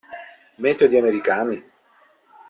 Metodi americani?